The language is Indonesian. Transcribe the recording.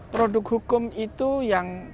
produk hukum itu yang